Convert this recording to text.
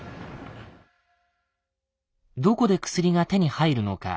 どこで薬が手に入るのか。